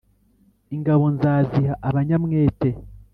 ingabo nzaziha abanyamwete